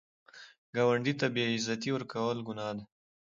ګاونډي ته بې عزتي ورکول ګناه ده